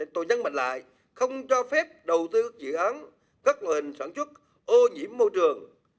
tôi nhấn mạnh lại không cho phép đầu tư các dự án các nguồn hình sản xuất ô nhiễm môi trường